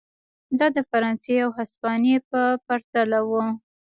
دا د فرانسې او هسپانیې په پرتله و.